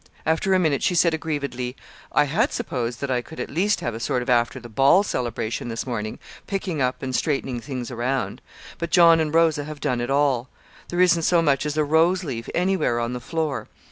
After a minute she said aggrievedly: "I had supposed that I could at least have a sort of 'after the ball' celebration this morning picking up and straightening things around. But John and Rosa have done it all. There isn't so much as a rose leaf anywhere on the floor.